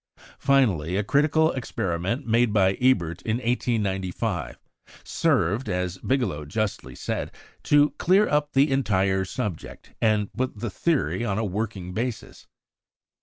Finally, a critical experiment made by Ebert in 1895 served, as Bigelow justly said, "to clear up the entire subject, and put the theory on a working basis."